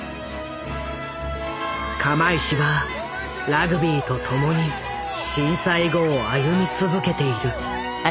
釜石はラグビーと共に震災後を歩み続けている。